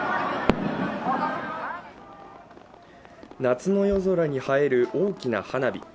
夏の夜空に映える、大きな花火。